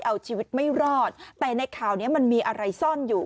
เอาชีวิตไม่รอดแต่ในข่าวนี้มันมีอะไรซ่อนอยู่